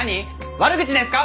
悪口ですか！？